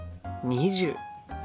２０。